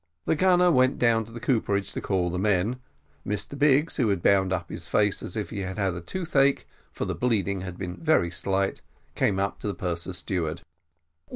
The gunner went down to the cooperage to call the men. Mr Biggs, who had bound up his face as if he had a toothache for the bleeding had been very slight, came up to the purser's steward.